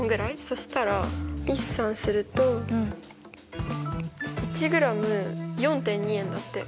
そしたら筆算すると１ｇ４．２円だって。